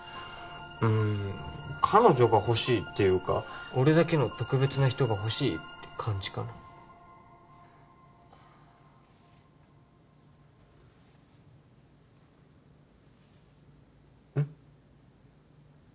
うん彼女がほしいっていうか俺だけの特別な人がほしいって感じかなうん？